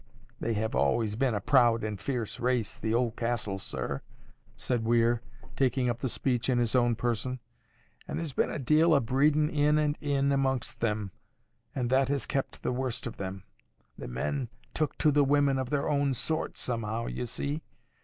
'—They have always been a proud and a fierce race, the Oldcastles, sir," said Weir, taking up the speech in his own person, "and there's been a deal o' breedin in and in amongst them, and that has kept up the worst of them. The men took to the women of their own sort somehow, you see.